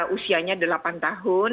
usianya delapan tahun